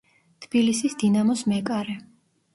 თბილისის „დინამოს“ მეკარე.